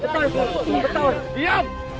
tetap di antara